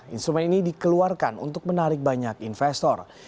instrumen ini dikeluarkan untuk menarik banyak investor